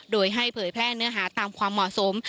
โดยให้เผยแพร่เนื้อหาตามความเหมาะสม